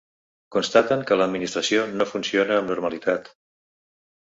Constaten que l’administració no funciona amb normalitat.